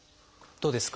どうですか？